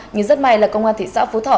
nhưng rất may là công an thị xã phú thọ